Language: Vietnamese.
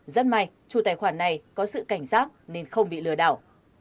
rất may chủ tài khoản này có sự cảnh giác nên không bị lừa đảo